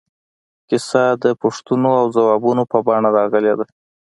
کیسه د پوښتنو او ځوابونو په بڼه راغلې ده.